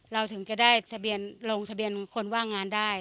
ถึงจะได้ลงทะเบียนคนว่างงานได้